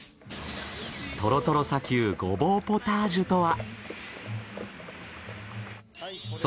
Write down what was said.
トロトロ砂丘ゴボウポタージュとは？